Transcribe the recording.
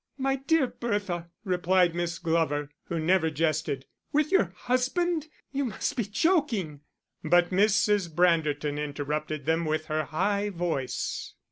"My dear Bertha," replied Miss Glover, who never jested, "with your husband? You must be joking." But Mrs. Branderton interrupted them with her high voice.